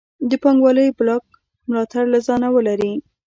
د پانګوالۍ بلاک ملاتړ له ځانه ولري.